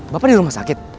bapak di rumah sakit